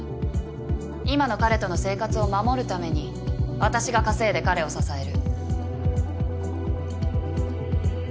今の彼との生活を守るために私が稼いで彼を支える。